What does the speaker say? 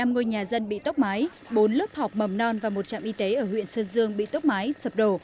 một trăm linh năm ngôi nhà dân bị tốc mái bốn lớp học mầm non và một trạm y tế ở huyện sơn dương bị tốc mái sập đổ